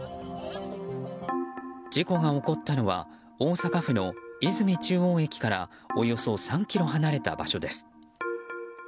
事故が起こったのは大阪府の堺市のいずみ中央駅からおよそ３ｋｍ離れた場所です。